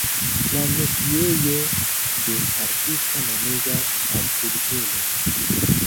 La metiejo de artista nomiĝas ateliero.